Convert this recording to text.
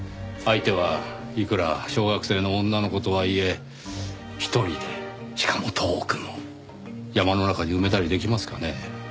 相手はいくら小学生の女の子とはいえ１人でしかも遠くの山の中に埋めたりできますかね？